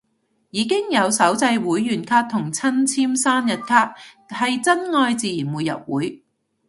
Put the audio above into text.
已經有手製會員卡同親簽生日卡，係真愛自然會入會